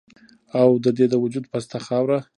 او د دې د وجود پسته خاوره